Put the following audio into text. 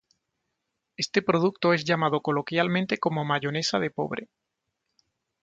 Este producto es llamado coloquialmente como "mayonesa de pobre".